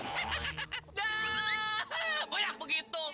hahaha dah banyak begitu